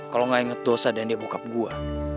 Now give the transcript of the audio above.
kalau nggak inget tuh sadar dia bokap gue